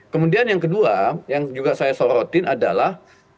kemudian yang kedua yang juga saya sorotin adalah